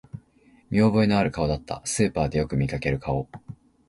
見覚えのある顔だった、スーパーでよく見かける顔